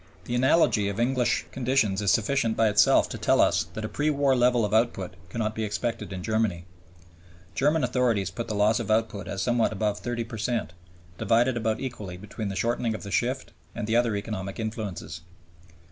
The analogy of English conditions is sufficient by itself to tell us that a pre war level of output cannot be expected in Germany. German authorities put the loss of output at somewhat above 30 per cent, divided about equally between the shortening of the shift and the other economic influences.